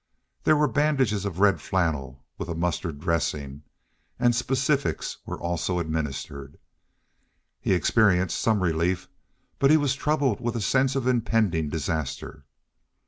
There were bandages of red flannel with a mustard dressing, and specifics were also administered. He experienced some relief, but he was troubled with a sense of impending disaster.